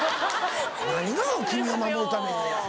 何が「君を守るために」や。